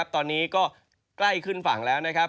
ตอนนี้ก็ใกล้ขึ้นฝั่งครับ